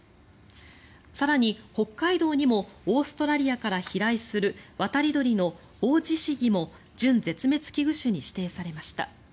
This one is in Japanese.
更に、北海道にもオーストラリアから飛来する渡り鳥のオオジシギも準絶滅危惧種に指定されました。